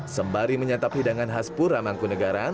sembari menyatap hidangan khas puramangkunegara